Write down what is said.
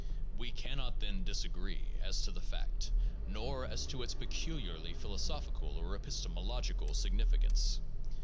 We can not, then, disagree as to the fact, nor as to its peculiarly philosophical or epistemological significance.